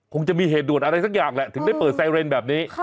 คงจะมีเหตุด่วนอะไรสักอย่างแหละถึงได้เปิดไซเรนแบบนี้